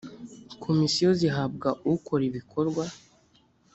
komisiyo zihabwa ukora ibikorwa